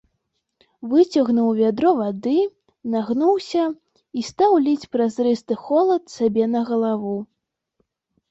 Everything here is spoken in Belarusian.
Выцягнуў вядро вады, нагнуўся і стаў ліць празрысты холад сабе на галаву.